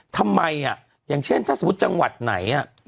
ทำไมน่าอย่างเช่นถ้าสมมติจังหวัดไหนเสมอ่ะ